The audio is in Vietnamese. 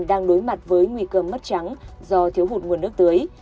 đang đối mặt với nguy cơ mất trắng do thiếu hụt nguồn nước tưới